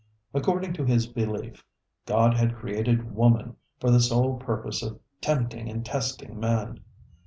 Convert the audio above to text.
According to his belief, God had created woman for the sole purpose of tempting and testing man.